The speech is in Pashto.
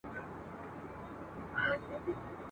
نه سېلونه هر آواز ته سی راتللای !.